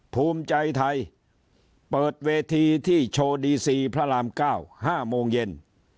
ภูมิใจไทยเปิดเวทีที่โชว์ดีซีพระราม๙๕โมงเย็น